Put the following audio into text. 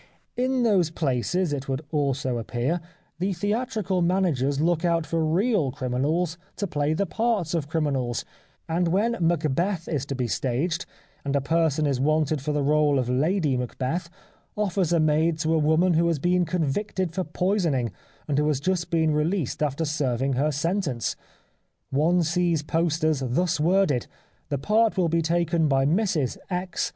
In those places, it would also appear, the 227 (( The Life of Oscar Wilde theatrical managers look out for real criminals to play the parts of criminals, and when ' Macbeth ' is to be staged and a person is wanted for the role of Lady Macbeth offers are made to a woman who has been convicted for poisoning, and who has just been released after serving her sentence. One sees posters thus worded :' The part will be taken by Mrs X.